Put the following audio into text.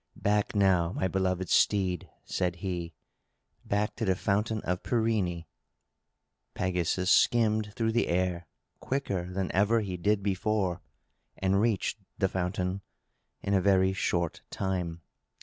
"Back now, my beloved steed!" said he. "Back to the Fountain of Pirene!" Pegasus skimmed through the air, quicker than ever he did before, and reached the fountain in a very short time.